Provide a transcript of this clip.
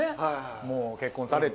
もう結婚されて。